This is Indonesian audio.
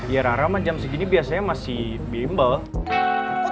ya rara mah jam segini biasanya masih bimbel